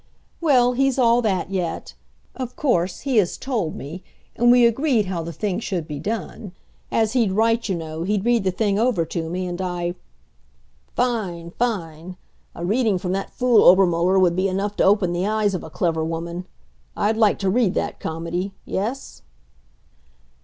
"Well, he's all that yet. Of course, he has told me, and we agreed how the thing should be done. As he'd write, you know, he'd read the thing over to me, and I " "Fine fine! A reading from that fool Obermuller would be enough to open the eyes of a clever woman. I'd like to read that comedy yes?"